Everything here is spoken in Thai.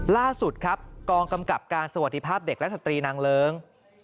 ล่าสุดครับกองกำกับการสวัสดีภาพเด็กและสตรีนางเลิ้ง